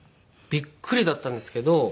びっくりだったんですけど。